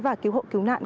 và cứu hộ cứu nạn